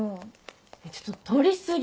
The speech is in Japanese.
ちょっと撮り過ぎ！